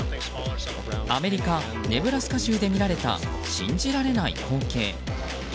アメリカ・ネブラスカ州で見られた信じられない光景。